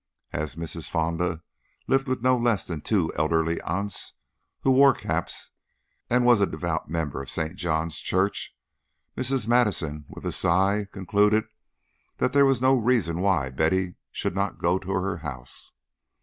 As Mrs. Fonda lived with no less than two elderly aunts who wore caps, and was a devout member of St. John's Church, Mrs. Madison, with a sigh, concluded that there was no reason why Betty should not go to her house.